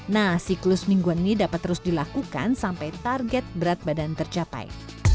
nah siklus mingguan ini dapat terus dilakukan sampai target berat badan tercapai